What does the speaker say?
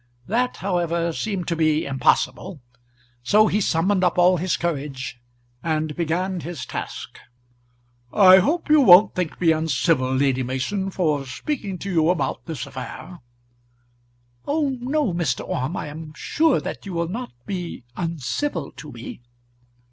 That, however, seemed to be impossible; so he summoned up all his courage, and began his task. "I hope you won't think me uncivil, Lady Mason, for speaking to you about this affair." "Oh no, Mr. Orme; I am sure that you will not be uncivil to me."